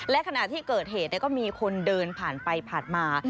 และขณะที่เกิดเหตุก็มีคนเดินผ่านไปผ่านมา